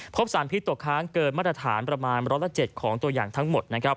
พบสารพิษตกค้างเกินมาตรฐานประมาณร้อยละ๗ของตัวอย่างทั้งหมดนะครับ